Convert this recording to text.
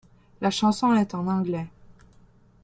La chanson est en anglais.